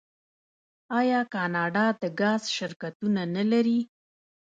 آیا کاناډا د ګاز شرکتونه نلري؟